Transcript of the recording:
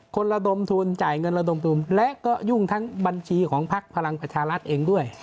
ระดมทุนจ่ายเงินระดมทุนและก็ยุ่งทั้งบัญชีของพักพลังประชารัฐเองด้วย